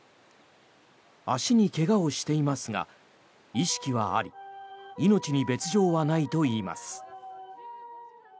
足に怪我をしていますが意識はあり命に別条はないといいます。